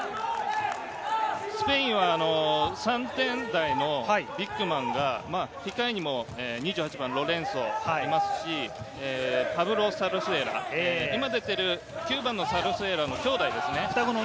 スペインは３点台のビッグマンが控えにも２８番・ロレンソいますし、パブロ・サルスエラ、今出ている９番のサルスエラの兄弟ですね。